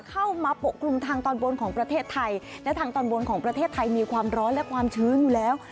ปกคลุมทางตอนบนของประเทศไทยและทางตอนบนของประเทศไทยมีความร้อนและความชื้นอยู่แล้ว